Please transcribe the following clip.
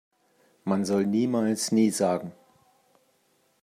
Man soll niemals nie sagen.